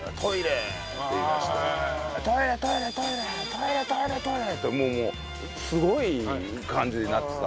トイレトイレトイレ！」ってもうすごい感じになってた。